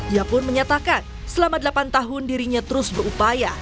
ia pun menyatakan selama delapan tahun dirinya terus berupaya